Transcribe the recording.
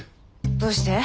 どうして？